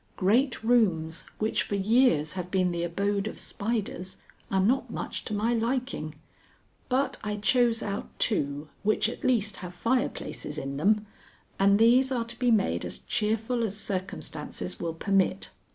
Great rooms which for years have been the abode of spiders, are not much to my liking, but I chose out two which at least have fireplaces in them, and these are to be made as cheerful as circumstances will permit.